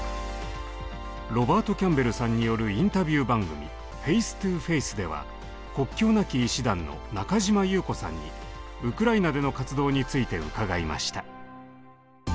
ロバート・キャンベルさんによるインタビュー番組「ＦａｃｅＴｏＦａｃｅ」では「国境なき医師団」の中嶋優子さんにウクライナでの活動について伺いました。